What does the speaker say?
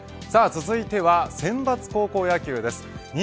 続いては選抜高校野球です。